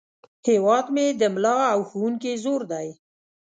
هیواد مې د ملا او ښوونکي زور دی